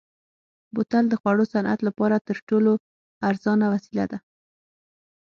بوتل د خوړو صنعت لپاره تر ټولو ارزانه وسیله ده.